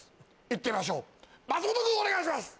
いってみましょう松本くんお願いします！